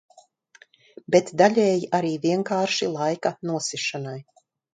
Bet daļēji arī vienkārši laika nosišanai.